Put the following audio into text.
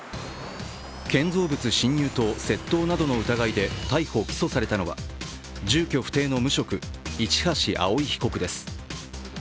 建造物侵入と窃盗などの疑いで逮捕・起訴されたのは住居不定の無職、市橋蒼被告です。